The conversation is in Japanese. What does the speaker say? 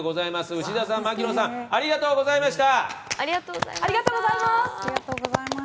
内田さん、槙野さんありがとうございました。